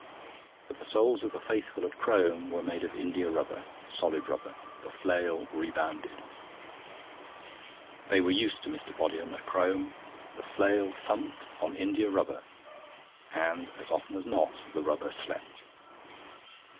But the souls of the faithful at Crome were made of india rubber, solid rubber; the flail rebounded. They were used to Mr. Bodiham at Crome. The flail thumped on india rubber, and as often as not the rubber slept.